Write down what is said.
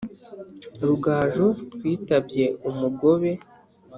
rugaju twitabye umugobe